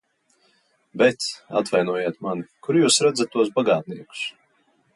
Bet, atvainojiet mani, kur jūs redzat tos bagātniekus?